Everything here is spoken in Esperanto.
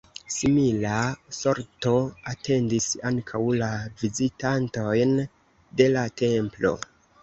Simila sorto atendis ankaŭ la vizitantojn de la templo.